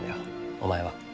お前は。